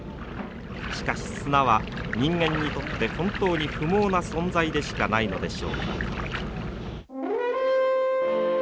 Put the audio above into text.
しかし砂は人間にとって本当に不毛な存在でしかないのでしょうか。